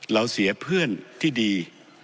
เราเสียเพื่อนที่ดี